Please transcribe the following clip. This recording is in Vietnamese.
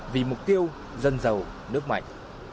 vì mục tiêu dân giàu nước mạnh